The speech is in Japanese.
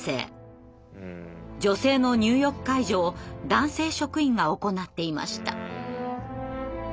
女性の入浴介助を男性職員が行っていました。